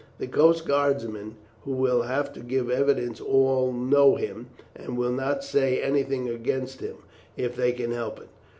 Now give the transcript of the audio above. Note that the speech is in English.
The coast guardsmen who will have to give evidence all know him, and will not say anything against him if they can help it.